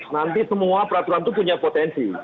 nanti semua peraturan itu punya potensi